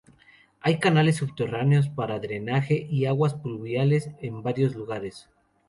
Hay canales subterráneos para drenaje de aguas pluviales en varios lugares.